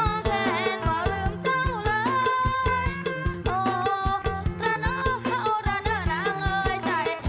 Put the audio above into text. สนุนโดยอีซุสเอกสิทธิ์แห่งความสุข